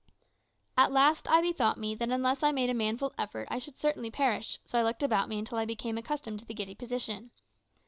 At last I bethought me that unless I made a manful effort I should certainly perish, so I looked about me until I became accustomed to the giddy position.